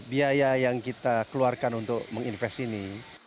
biaya yang kita keluarkan untuk menginvest ini